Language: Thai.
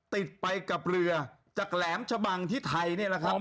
ติดไปกับเรือจากแหลมชะบังที่ไทยนี่แหละครับ